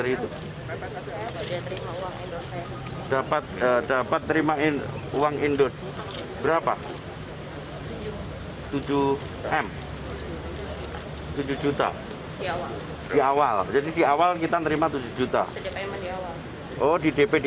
setornya kemana langsung diterima situ dari manajer saya dari manajer dapat uang muka kemudian dari pemain